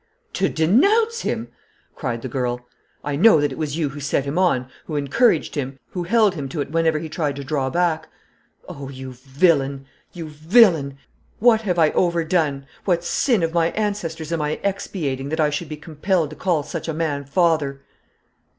'To denounce him!' cried the girl. 'I know that it was you who set him on, who encouraged him, who held him to it whenever he tried to draw back. Oh, you villain! you villain! What have I ever done, what sin of my ancestors am I expiating, that I should be compelled to call such a man Father?'